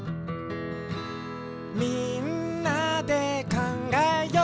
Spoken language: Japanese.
「みんなでかんがえよう」